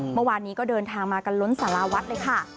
เมื่อวานนี้ก็เดินทางมากันล้นสาราวัดเลยค่ะ